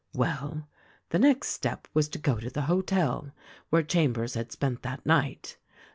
"Well, the next step was to go to the hotel where Cham bers had spent that night.